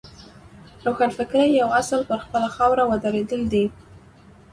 روښانفکرۍ یو اصل پر خپله خاوره ودرېدل دي.